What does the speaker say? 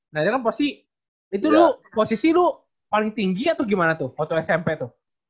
nah dia kan posisi itu lu posisi lu paling tinggi atau gimana tuh waktu smp tuh